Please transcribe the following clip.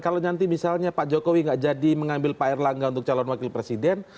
kalau nanti misalnya pak jokowi nggak jadi mengambil pak erlangga untuk calon wakil presiden